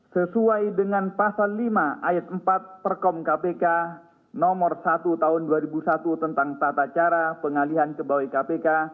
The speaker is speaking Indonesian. sesuai dengan pasal lima ayat empat perkom kpk nomor satu tahun dua ribu satu tentang tata cara pengalihan kebawai kpk